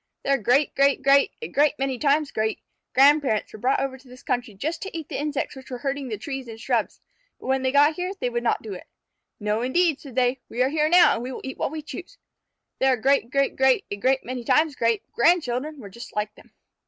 Their great great great a great many times great grandparents were brought over to this country just to eat the insects which were hurting the trees and shrubs, but when they got here they would not do it. "No, indeed," said they; "we are here now, and we will eat what we choose." Their great great great a great many times great grandchildren were just like them.